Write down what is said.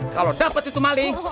kalau dapet itu maling